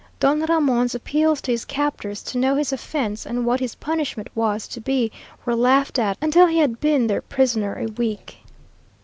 Don Ramon's appeals to his captors to know his offense and what his punishment was to be were laughed at until he had been their prisoner a week.